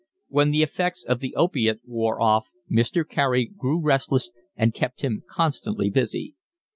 When the effects of the opiate wore off Mr. Carey grew restless and kept him constantly busy.